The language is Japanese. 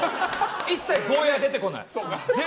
一切ゴーヤが出てこない。